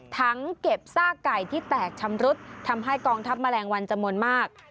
ทั้งเก็บซากไก่ที่แตกชำรุดทำให้กองทัพแมลงวันจำนวนมาก